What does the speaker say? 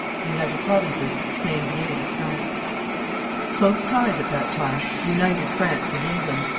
The United Provinces claimed the aid of France. Close ties at that time united France and England.